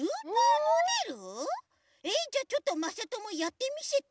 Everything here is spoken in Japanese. えっじゃあちょっとまさともやってみせて。